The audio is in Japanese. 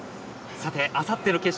あさっての決勝